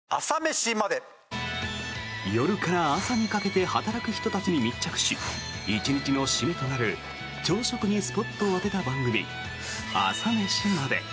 夜から朝にかけて働く人たちに密着し１日の締めとなる朝食にスポットを当てた番組「朝メシまで。」。